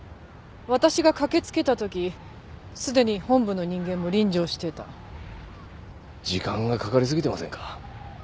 私が駆けつけた時すでに本部の人間も臨場していた時間がかかりすぎてませんか？